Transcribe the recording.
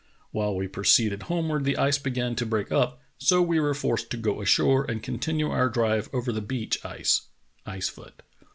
While we proceeded homeward the ice began to break up, so we were forced to go ashore and continue our drive over the beach ice [ice foot].